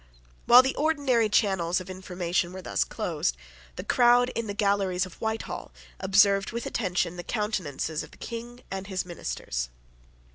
While the ordinary channels of information were thus closed, the crowd in the galleries of Whitehall observed with attention the countenances of the King and his ministers.